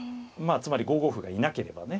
つまり５五歩がいなければね